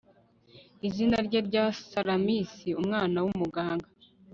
izina ryera rya salamis umwana w'umugaga